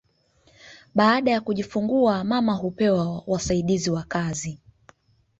Baada ya kujifungua mama hupewa wasaidizi wa kazi